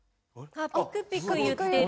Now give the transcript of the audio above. あっピクピクいってる・